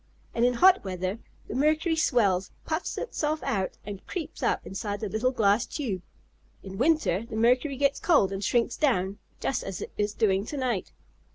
"And in hot weather the mercury swells, puffs itself out and creeps up inside the little glass tube. In winter the mercury gets cold, and shrinks down, just as it is doing to night."